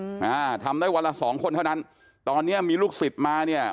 อ่าทำได้วันละสองคนเท่านั้นตอนเนี้ยมีลูกศิษย์มาเนี้ย